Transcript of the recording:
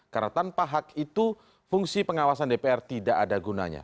karena tanpa hak itu fungsi pengawasan dpr tidak ada gunanya